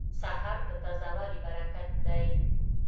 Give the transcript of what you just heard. سهار د تازه والي برکت دی.